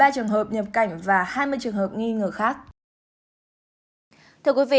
một mươi trường hợp nhập cảnh và hai mươi trường hợp nghi ngờ khác